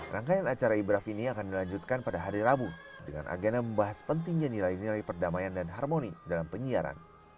rangkaian acara ibraf ini akan dilanjutkan pada hari rabu dengan agenda membahas pentingnya nilai nilai perdamaian dan harmoni dalam penyiaran